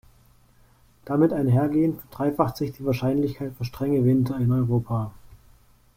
Damit einhergehend verdreifacht sich die Wahrscheinlichkeit für strenge Winter in Europa.